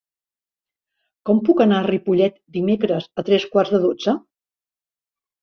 Com puc anar a Ripollet dimecres a tres quarts de dotze?